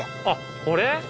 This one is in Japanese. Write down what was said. あっこれ？